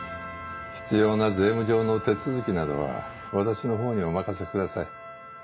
必要な税務上の手続きなどは私のほうにお任せください。